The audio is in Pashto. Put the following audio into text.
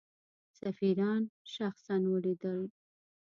سفیران شخصا ولیدل.